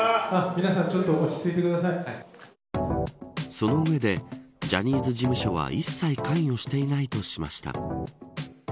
その上で、ジャニーズ事務所は一切関与していないとしました。